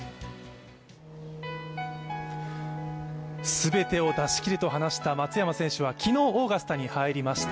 全てを出し切ると話した松山選手は昨日オーガスタに入りました。